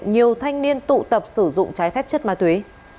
nhiều thanh niên tụ tập sử dụng trái phép chất ma túy